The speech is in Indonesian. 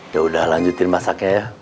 yaudah lanjutin masaknya ya